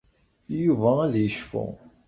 Yuba ad yecfu.